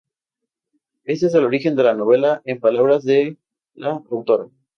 Este es el origen de la novela, en palabras de la autora.